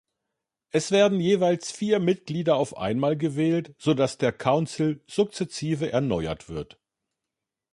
Es werden jeweils vier Mitglieder auf einmal gewählt, sodass der Council sukzessive erneuert wird.